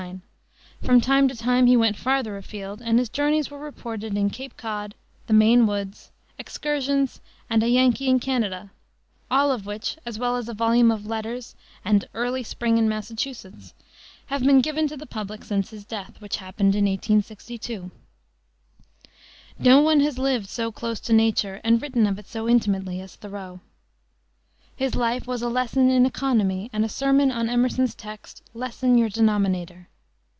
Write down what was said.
From time to time he went farther afield, and his journeys were reported in Cape Cod, the Maine Woods, Excursions, and a Yankee in Canada, all of which, as well as a volume of Letters and Early Spring in Massachusetts, have been given to the public since his death, which happened in 1862. No one has lived so close to nature, and written of it so intimately, as Thoreau. His life was a lesson in economy and a sermon on Emerson's text, "Lessen your denominator."